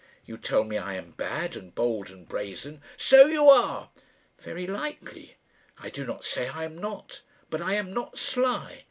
You tell me I am bad and bold and brazen." "So you are." "Very likely. I do not say I am not. But I am not sly.